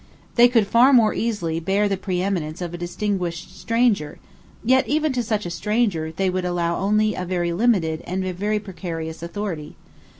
They could far more easily bear the preeminence of a distinguished stranger, yet even to such a stranger they would allow only a very limited and a very precarious authority.